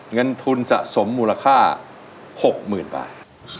เงินทุนสะสมมูลค่า๖๐๐๐บาท